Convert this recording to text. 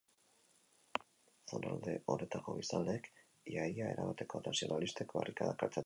Zonalde honetako biztanleek, ia-ia erabateko nazionalistek, barrikadak altxatu zituzten.